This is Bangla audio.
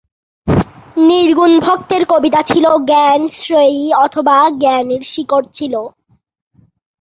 নির্গুণ ভক্তের কবিতা ছিল জ্ঞান-শ্রেয়ী, অথবা জ্ঞানের শিকড় ছিল।